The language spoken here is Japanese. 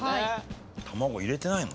卵入れてないの？